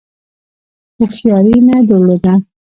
هوښیاري نه درلوده.